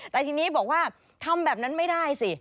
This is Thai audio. แต่ทีนี้บอกว่าทำแบบนั้นไม่ได้สิ